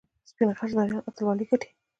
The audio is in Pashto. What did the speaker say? سپین غر زمریان اتلولي ګټي.